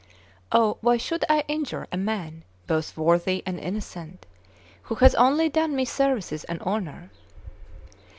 Oh, why should I injure a man both worthy and innocent, who has only done me services and honour?